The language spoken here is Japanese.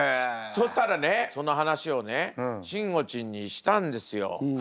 そしたらねその話をねしんごちんにしたんですよ。